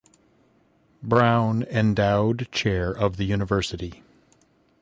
Brown Endowed Chair of the University.